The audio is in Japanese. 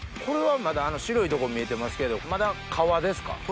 これはまだ白いとこ見えてますけどまだ皮ですか？